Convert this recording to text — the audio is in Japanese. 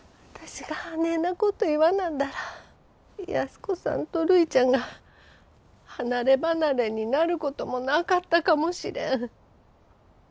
私があねえなこと言わなんだら安子さんとるいちゃんが離れ離れになることもなかったかもしれん。